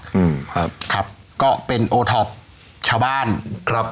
อืมครับครับก็เป็นชาวบ้านครับ